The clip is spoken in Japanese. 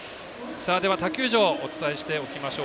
他球場お伝えしておきましょう。